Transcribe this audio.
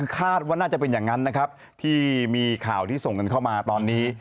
คาดว่าน่าจะเป็นอย่างนั้นนะครับที่มีข่าวที่ส่งกันเข้ามาตอนนี้